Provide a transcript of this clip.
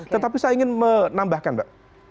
tetapi saya ingin menambahkan mbak